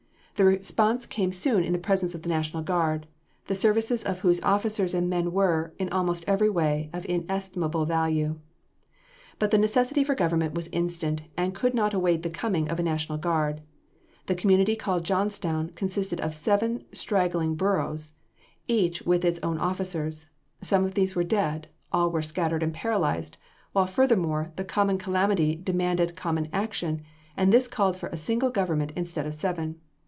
The response came soon in the presence of the National Guard, the services of whose officers and men were, in almost every way, of inestimable value. But the necessity for government was instant, and could not await the coming of a National Guard. The community called Johnstown consisted of seven straggling boroughs, each with its own officers. Some of these were dead, all were scattered and paralyzed, while furthermore, the common calamity demanded common action, and this called for a single government instead of seven.